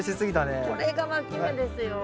これがわき芽ですよ。